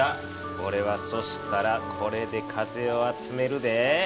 おれはそしたらこれで風を集めるで。